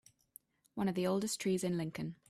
One of the oldest trees in Lincoln.